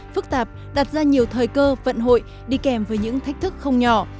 phức tạp đặt ra nhiều thời cơ vận hội đi kèm với những thách thức không nhỏ